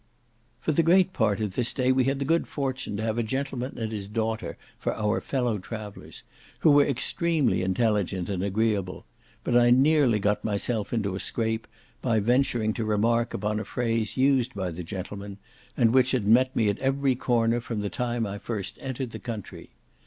For the great part of this day we had the good fortune to have a gentleman and his daughter for our fellow travellers, who were extremely intelligent and agreeable; but I nearly got myself into a scrape by venturing to remark upon a phrase used by the gentleman, and which had met me at every corner from the time I first entered the country.